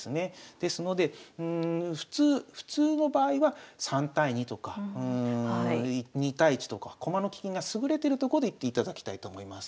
ですので普通の場合は３対２とか２対１とか駒の利きが優れてるとこでいっていただきたいと思います。